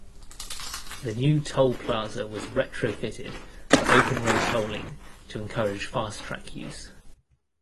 The new toll plaza was retrofitted for open road tolling to encourage FasTrak use.